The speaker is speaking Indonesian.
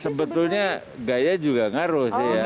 sebetulnya gaya juga ngaruh sih ya